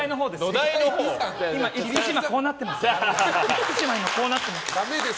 今、厳島こうなってます。